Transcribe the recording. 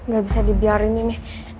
gak bisa dibiarin ini